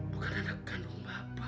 bukan anak kandung bapak